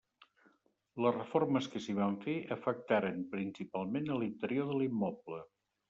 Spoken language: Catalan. Les reformes que s'hi van fer afectaren principalment a l'interior de l'immoble.